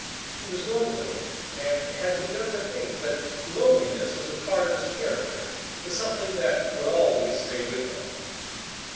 He was lonely and had begun to think that loneliness was a part of his character, something that would always stay with him.